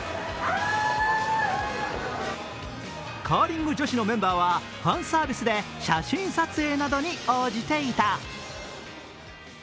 カーリング女子のメンバーはファンサービスで写真撮影などに応じていた。